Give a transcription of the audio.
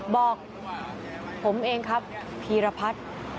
บอกผมเองครับพีรพัฒน์